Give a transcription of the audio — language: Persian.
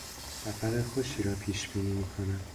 سفر خوشی را پیش بینی میکنم.